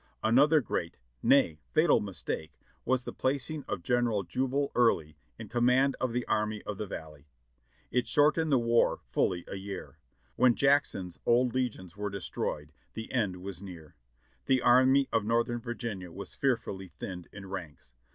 Another great — nay fatal — mistake was the placing of General Jubal Early in command of the Army of the Valley. It short ened the v\ar fully a year. When Jackson's old legions were destroyed i\c end was near. The Army of Northern Virginia was fearfully thinned in ranks.